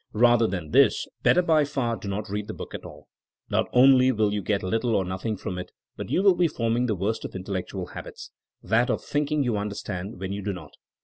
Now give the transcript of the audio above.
Eather than this, better by far do not read the book at all. Not only will you get little or nothing from it but you will be forming the worst of intel lectual habits — ^that of thinking you understand when you do not.